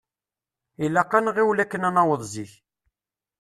Ilaq ad nɣiwel akken ad naweḍ zik.